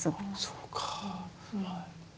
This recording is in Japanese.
そうか。